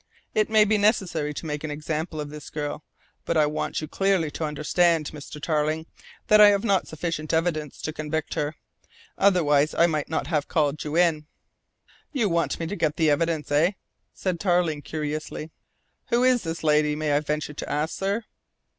It may be necessary to make an example of this girl, but I want you clearly to understand, Mr. Tarling, that I have not sufficient evidence to convict her; otherwise I might not have called you in." "You want me to get the evidence, eh?" said Tarling curiously. "Who is the lady, may I venture to ask, sir?"